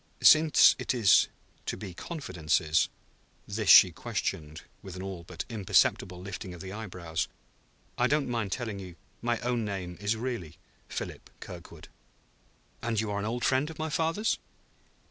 "Since it is to be confidences" (this she questioned with an all but imperceptible lifting of the eyebrows), "I don't mind telling you my own name is really Philip Kirkwood." "And you are an old friend of my father's?"